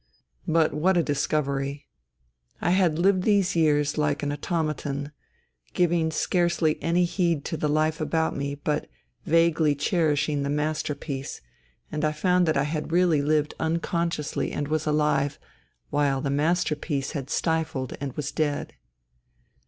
But what a dis covery ! I had lived these years like an automaton, giving scarcely any heed to the life about me but vaguely cherishing the " masterpiece," and I found NINA 227 that I had really lived unconsciously and was alive, while the " masterpiece " had stifled and was dead.